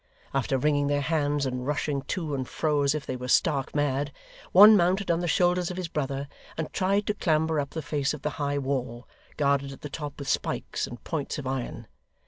After wringing their hands and rushing to and fro as if they were stark mad, one mounted on the shoulders of his brother, and tried to clamber up the face of the high wall, guarded at the top with spikes and points of iron.